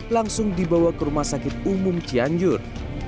langsung dibawa ke rumah sakit umum cianjur